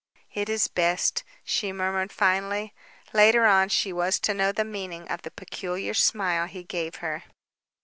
"It is best," she murmured finally. Later on she was to know the meaning of the peculiar smile he gave her.